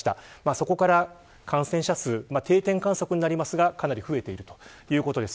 そこから感染者数、定点観測になりますが、かなり増えているということです。